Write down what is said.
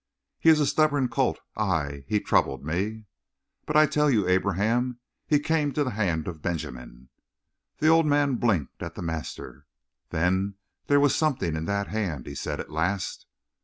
"He is a stubborn colt. Aye, he troubled me!" "But I tell you, Abraham, he came to the hand of Benjamin!" The old man blinked at the master. "Then there was something in that hand," he said at last.